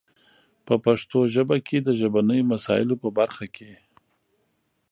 په پښتو ژبه کې د ژبنیو مسایلو په برخه کې